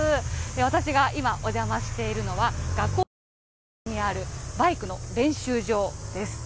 私が今、お邪魔しているのは、学校の敷地内にある、バイクの練習場です。